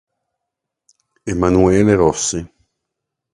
Emanuele Rossi